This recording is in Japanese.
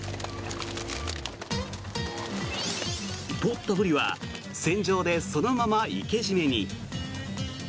取ったブリは船上でそのまま生け締めに。